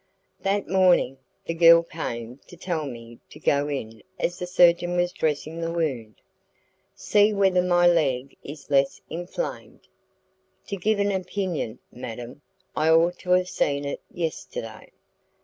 That morning, the girl came to tell me to go in as the surgeon was dressing the wound. "See whether my leg is less inflamed." "To give an opinion, madam, I ought to have seen it yesterday."